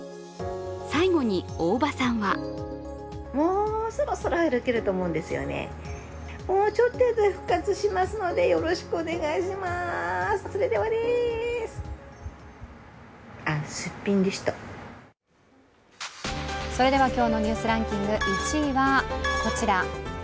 最後に大場さんはそれでは今日の「ニュースランキング」１位はこちら。